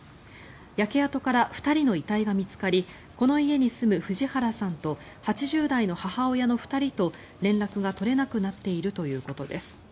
焼け跡から２人の遺体が見つかりこの家に住む藤原さんと８０代の母親の２人と連絡が取れなくなっているということです。